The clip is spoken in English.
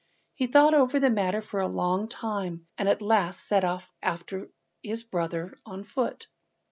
He thought over the matter for a long time, and at last set off after his brother on foot.